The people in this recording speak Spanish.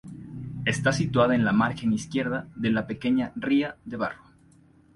Está situada en la margen izquierda de la pequeña ría de Barro.